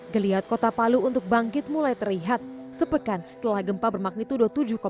geliat kota palu untuk bangkit mulai terlihat sepekan setelah gempa bermagnitudo tujuh empat